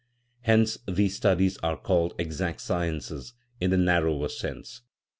Hence these studies are called " exact sciences " in the narrower sense.